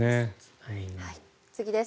次です。